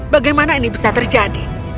bagaimana ini bisa terjadi